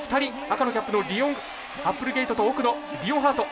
赤のキャップのアップルゲイトと奥のリオンハート。